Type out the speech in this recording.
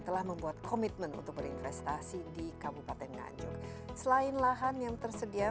telah membuat komitmen untuk berinvestasi di kabupaten nganjuk selain lahan yang tersedia